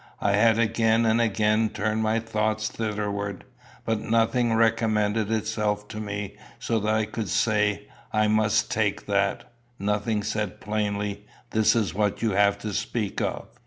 I had again and again turned my thoughts thitherward, but nothing recommended itself to me so that I could say "I must take that;" nothing said plainly, "This is what you have to speak of."